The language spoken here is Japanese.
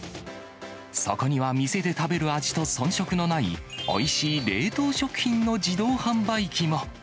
そこには店で食べる味とそん色のない、おいしい冷凍食品の自動販売機も。